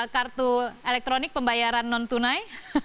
kartu elektronik pembayaran non tunai